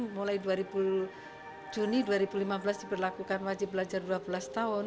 mulai juni dua ribu lima belas diberlakukan wajib belajar dua belas tahun